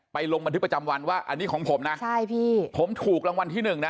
ลงบันทึกประจำวันว่าอันนี้ของผมนะใช่พี่ผมถูกรางวัลที่หนึ่งนะ